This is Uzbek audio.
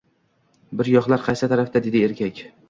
“Bir yoqlar qaysi tarafda? – dedi erkak.